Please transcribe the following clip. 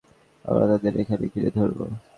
আমরা তাদের এখানে ঘিরে ধরবো।